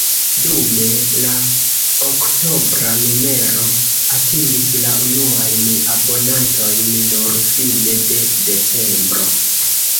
Dume, la oktobra numero atingis la unuajn abonantojn nur fine de decembro.